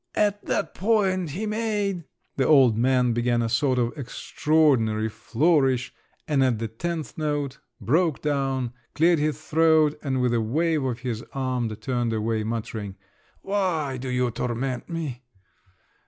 At that point he made …" The old man began a sort of extraordinary flourish, and at the tenth note broke down, cleared his throat, and with a wave of his arm turned away, muttering, "Why do you torment me?"